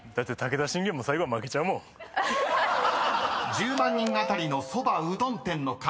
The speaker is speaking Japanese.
［１０万人当たりのそば・うどん店の数